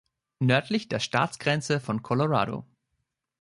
Nördlich der Staatsgrenze von Colorado.